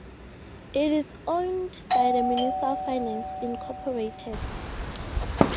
It is owned by the Minister of Finance Incorporated.